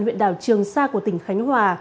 huyện đảo trường sa của tỉnh khánh hòa